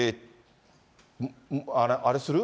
あれする？